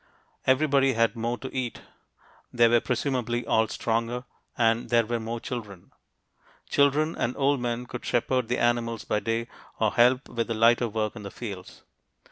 Everybody had more to eat; they were presumably all stronger, and there were more children. Children and old men could shepherd the animals by day or help with the lighter work in the fields.